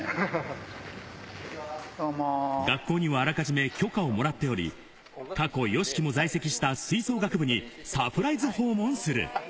学校にはあらかじめ許可をもらっており、過去ＹＯＳＨＩＫＩも在籍した吹奏楽部にサプライズ訪問する。